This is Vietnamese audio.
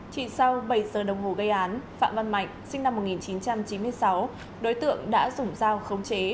chỉ sau bảy giờ đồng hồ gây án phạm văn mạnh sinh năm một nghìn chín trăm chín mươi sáu đối tượng đã dùng dao khống chế